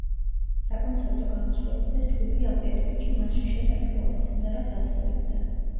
საკონცერტო გამოსვლებისას ჯგუფი ამ პერიოდში მასში შეტანილ ყველა სიმღერას ასრულებდა.